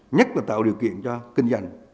nhất là tạo điều kiện cho kinh doanh